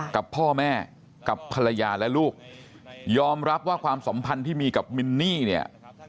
กับพ่อแม่กับภรรยาและลูกยอมรับว่าความสัมพันธ์ที่มีกับมินนี่เนี่ย